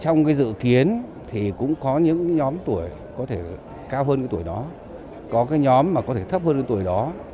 sáu mươi hai tuổi mà trong dự kiến thì cũng có những nhóm tuổi có thể cao hơn tuổi đó có các nhóm có thể thấp hơn tuổi đó